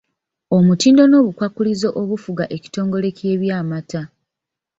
Omutindo n’obukwakkulizo obufuga ekitongole ky’eby’amata.